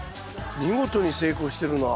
見事に成功してるな。